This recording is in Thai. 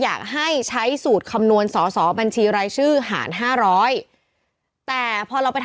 อ่าอ่าอ่าอ่าอ่าอ่าอ่าอ่าอ่า